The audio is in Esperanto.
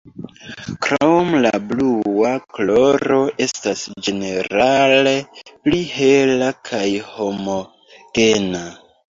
Krome la blua koloro estas ĝenerale pli hela kaj homogena.